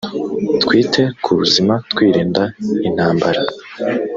twite ku buzima twirinda intambara